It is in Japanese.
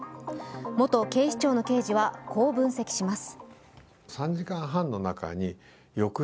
元警視庁の刑事はこう分析します。